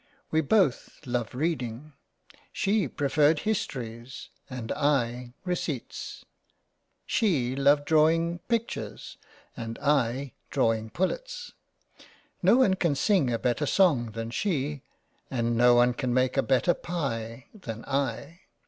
We both loved Reading. She preferred Histories, and / Receipts. She loved drawing, Pictures, and I drawing Pullets. No one could sing a better song than she, and no one make a better Pye than I.